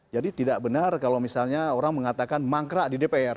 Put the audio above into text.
jadi tidak benar kalau misalnya orang mengatakan mangkrak di dpr